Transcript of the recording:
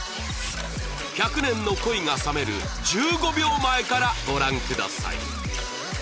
１００年の恋が冷める１５秒前からご覧ください